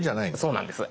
そうなんです。